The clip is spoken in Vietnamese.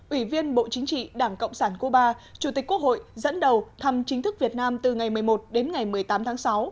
ủy viên bộ chính trị đảng cộng sản cuba chủ tịch quốc hội dẫn đầu thăm chính thức việt nam từ ngày một mươi một đến ngày một mươi tám tháng sáu